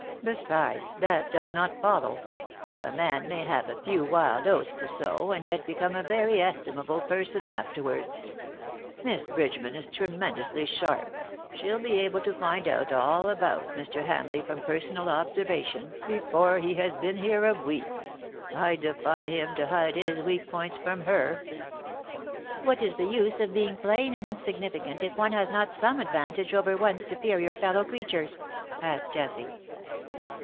" Besides, that does not follow. A man may have a few wild oats to sow, and yet become a very estimable person afterwards. Miss Bridgeman is tremendously sharp — she'll be able to find out all about Mr. Hamleigh from personal observation before he has been here a 60 BUT THExV CAME ONE, week. I defy him to hide his weak points from her/^ ' What is the use of being plain and insignificant if one has not some advantage over one's superior fellow creatures T' asked Jessie.